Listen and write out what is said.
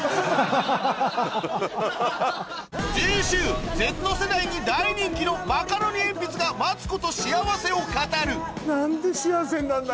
次週Ｚ世代に大人気のマカロニえんぴつがマツコと幸せを語る何で幸せになんないんだろう？